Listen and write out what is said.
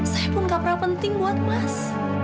saya pun gak pernah penting buat mas